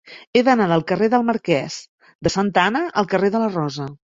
He d'anar del carrer del Marquès de Santa Ana al carrer de la Rosa.